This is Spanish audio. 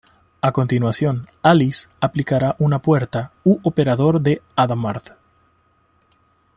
A continuación Alice aplicará una puerta u operador de Hadamard.